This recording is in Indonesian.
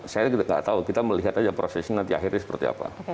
saya tidak tahu kita melihat aja prosesnya nanti akhirnya seperti apa